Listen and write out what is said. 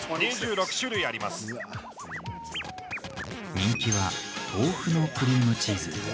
人気は豆腐のクリームチーズ。